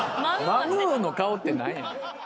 まむーんの顔って何やねん。